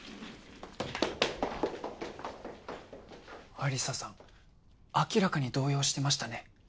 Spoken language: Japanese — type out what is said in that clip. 亜里沙さん明らかに動揺してましたね。